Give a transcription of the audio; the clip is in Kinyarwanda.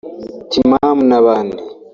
Timamu n’abandi